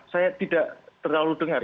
saya tidak terlalu dengar